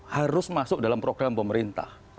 harus masuk dalam program pemerintah